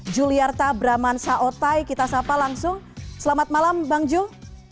juliarta braman saotai kita sapa langsung selamat malam bang jul